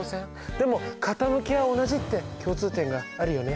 でも傾きは同じって共通点があるよね。